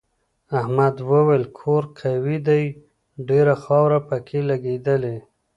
احمد وویل کور قوي دی ډېره خاوره پکې لگېدلې.